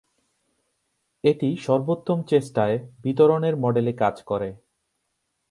এটি সর্বোত্তম চেষ্টায় বিতরণের মডেলে কাজ করে।